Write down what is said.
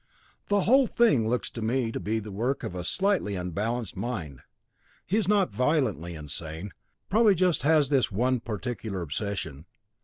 "The whole thing looks to me to be the work of a slightly unbalanced mind. He is not violently insane; probably just has this one particular obsession.